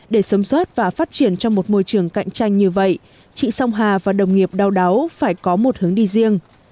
để sống sót và phát triển trong một môi trường cạnh tranh như vậy chị song hà và đồng nghiệp đau đáu phải có một hướng đi riêng